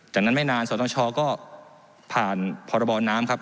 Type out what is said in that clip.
จากนั้นไม่นานสตชก็ผ่านพรบน้ำครับ